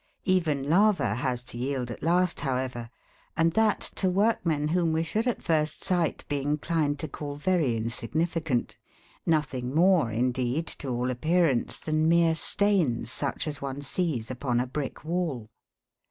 Even lava has to yield at last, however, and that to workmen whom we should at first sight be inclined to call very insignificant, nothing more, indeed, to all appearance, than mere stains, such as one sees upon a brick wall.